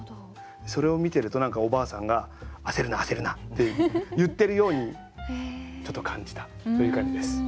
それを見てると何かおばあさんが「焦るな焦るな」って言ってるようにちょっと感じたという感じです。